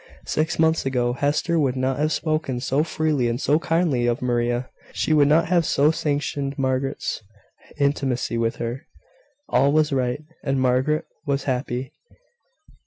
Six months ago Hester would not have spoken so freely and so kindly of Maria: she would not have so sanctioned Margaret's intimacy with her. All was right, and Margaret was happy.